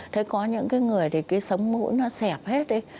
thế có những người thì cái sấm mũi nó xẹp hết đi